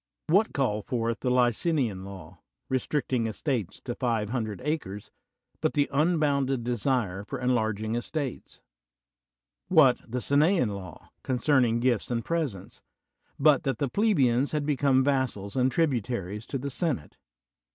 What called forth the Licinian Law, restricting estates to five hundred acres, but the unbounded desire for enlarging estates? What the Gineian Law, concerning gifts and presents, but that the plebeians had become vassals and tributaries to the senate?